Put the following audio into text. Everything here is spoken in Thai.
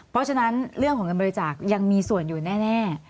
เพราะฉะนั้นเรื่องของเงินบริจาคยังมีส่วนอยู่แน่